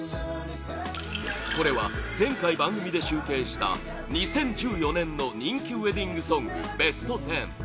これは前回、番組で集計した２０１４年の人気ウェディングソングＢＥＳＴ１０